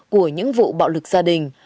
của những vụ bạo lực gia đình